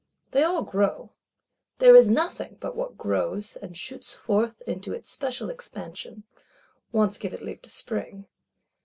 _ They all grow; there is nothing but what grows, and shoots forth into its special expansion,—once give it leave to spring.